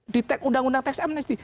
di undang undang teks amnesty